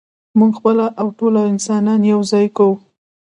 موږ خپله او ټول انسانان یو ځای کوو.